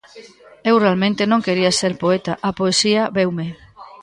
Eu realmente non quería ser poeta: a poesía veume.